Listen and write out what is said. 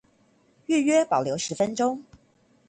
預約保留十分鐘